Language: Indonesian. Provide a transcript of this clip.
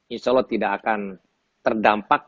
insya allah tidak akan terdampak